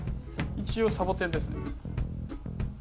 一応サボテンですね。